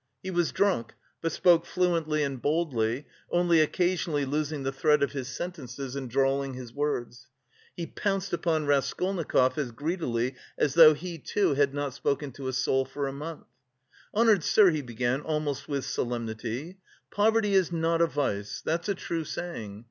He was drunk, but spoke fluently and boldly, only occasionally losing the thread of his sentences and drawling his words. He pounced upon Raskolnikov as greedily as though he too had not spoken to a soul for a month. "Honoured sir," he began almost with solemnity, "poverty is not a vice, that's a true saying.